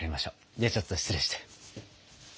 ではちょっと失礼して。